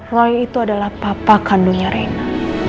roy itu adalah papa kandunya rena